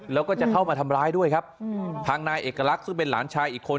แล้วก็จะเข้ามาทำร้ายด้วยครับทางนายเอกลักษณ์ซึ่งเป็นหลานชายอีกคน